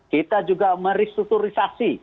kita juga merestrukturisasi